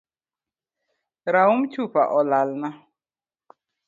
Raum chupa olalna